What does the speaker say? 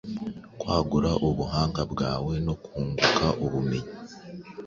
kwagura ubuhanga bwawe no kunguka ubumenyi